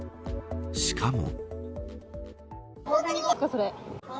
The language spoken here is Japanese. しかも。